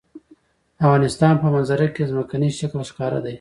د افغانستان په منظره کې ځمکنی شکل ښکاره ده.